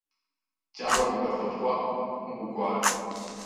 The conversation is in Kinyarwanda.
cyangwa bigafatwa nk’ubugwari.”